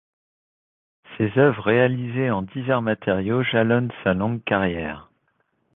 Ses œuvres réalisées en divers matériaux jalonnent sa longue carrière.